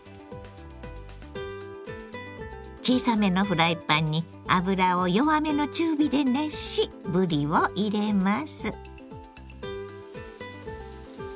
小さめのフライパンに油を弱めの中火で熱しぶりを入れます。